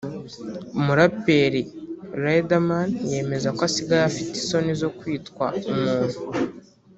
umuraperi Riderman yemeza ko asigaye afite isoni zo kwitwa umuntu